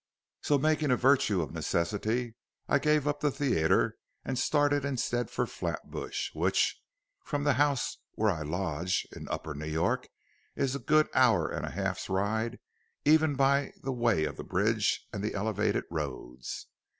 So making a virtue of necessity, I gave up the theatre and started instead for Flatbush, which, from the house where I lodge in upper New York, is a good hour and a half's ride even by the way of the bridge and the elevated roads.